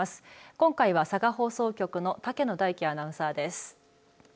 今回は佐賀放送局の竹野大輝アナウンサーです。